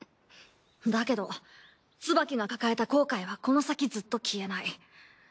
だけどツバキが抱えた後悔はこの先ずっと消えない。